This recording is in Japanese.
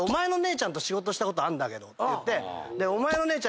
て言って。